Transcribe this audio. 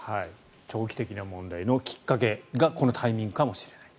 長期的な問題のきっかけがこのタイミングかもしれない。